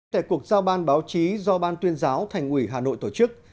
tại cuộc giao ban báo chí do ban tuyên giáo thành ủy hà nội tổ chức